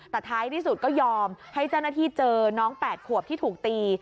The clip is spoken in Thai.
แต่ท้ายที่สุดก็ยอมให้เจ้าหน้าที่เจอน้อง๘ขวบที่ถูกตี